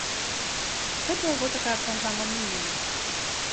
Гэта яго такая праграма-мінімум.